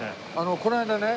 この間ね。